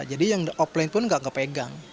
jadi yang offline pun nggak kepegang